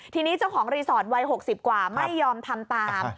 ทีนี้เจ้าของรีสอร์ทวัย๖๐กว่าไม่ยอมทำตาม